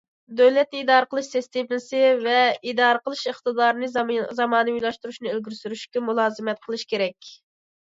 دۆلەتنى ئىدارە قىلىش سىستېمىسى ۋە ئىدارە قىلىش ئىقتىدارىنى زامانىۋىلاشتۇرۇشنى ئىلگىرى سۈرۈشكە مۇلازىمەت قىلىش كېرەك.